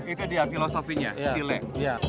itu dia filosofinya silek